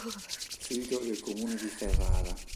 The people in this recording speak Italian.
Sito del Comune di Ferrara